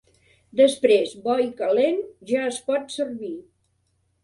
Després, bo i calent, ja es pot servir.